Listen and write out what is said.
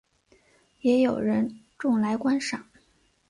也有人种来观赏。